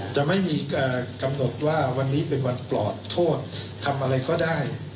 จะไม่มีกำหนดว่าวันนี้เป็นวันปลอดโทษทำอะไรก็ได้